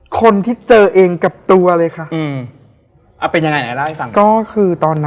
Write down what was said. คนที่เจอเองกับตัวเลยค่ะ